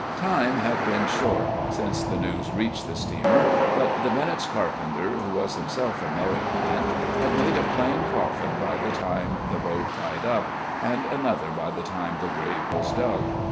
Time had been short since the news reached the steamer, but the Bennett's carpenter, who was himself a married man, had made a plain coffin by the time the boat tied up, and another by the time the grave was dug.